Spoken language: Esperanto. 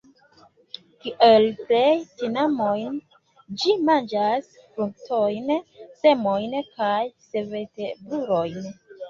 Kiel plej tinamoj ĝi manĝas fruktojn, semojn kaj senvertebrulojn.